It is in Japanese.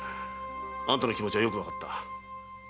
あんたの気持ちはよくわかった。